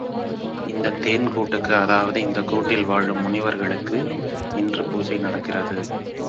இந்தத் தேன் கூட்டுக்கு, அதாவது இந்தக் கூட்டில் வாழும் முனிவர்களுக்கு, இன்று பூசை நடக்கிறது.